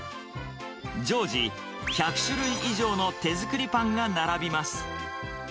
常時、１００種類以上の手作りパンが並びます。